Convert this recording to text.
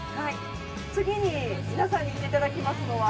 次に皆さんに行っていただきますのは。